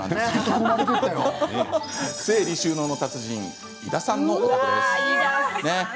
整理収納の達人井田さんのお宅です。